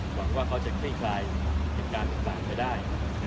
หวังว่าเขาจะคลี่คลายเหตุการณ์ต่างไปได้